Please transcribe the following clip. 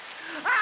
あ！